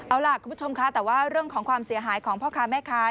เอาล่ะคุณผู้ชมค่ะแต่ว่าเรื่องของความเสียหายของพ่อค้าแม่ค้า